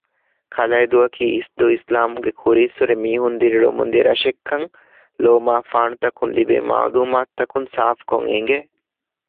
ކަލައިދޫއަކީ އިސްދޫ އިސްލާމްވުމުގެ ކުރީއްސުރެ މީހުން ދިރިއުޅެމުންދިޔަ ރަށެއްކަން ލޯމާފާނުތަކުން ލިބޭ މަޢުލޫމާތުތަކުން ސާފުކޮށް އެނގެ